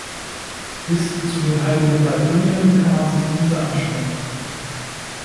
Bis zu den Heiligen Drei Königen kann man sich diese anschauen.